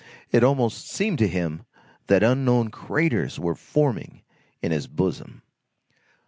It almost seemed to him that unknown craters were forming in his bosom.